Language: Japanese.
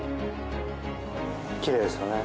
きれいですよね。